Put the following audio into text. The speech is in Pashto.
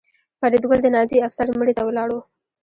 فریدګل د نازي افسر مړي ته ولاړ و